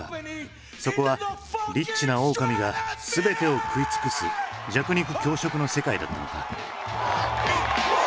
そこはリッチなオオカミが全てを食い尽くす弱肉強食の世界だったのか？